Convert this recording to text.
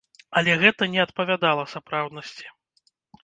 Але гэта не адпавядала сапраўднасці.